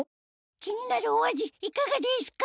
気になるお味いかがですか？